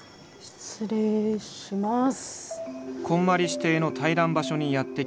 失礼します。